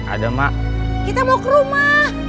ada mak kita mau ke rumah